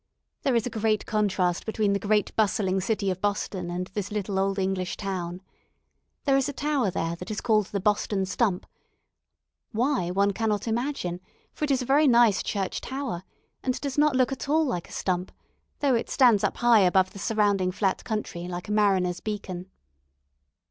There is a great contrast between the great bustling city of Boston and this little old English town. There is a tower there that is called the "Boston Stump," why, one cannot imagine, for it is a very nice church tower, and does not look at all like a stump, though it stands high up above the surrounding flat country like a mariner's beacon.